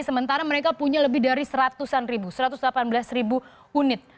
sementara mereka punya lebih dari seratus satu ratus delapan belas ribu unit